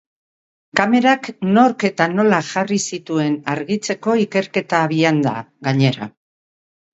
Kamerak nork eta nola jarri zituen argitzeko ikerketa abian da, gainera.